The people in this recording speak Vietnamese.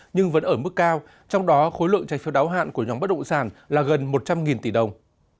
nhưng vẫn ở mức cao trong đó khối lượng trái phiếu đáo hạn của nhóm bất động sản là gần một trăm linh tỷ đồng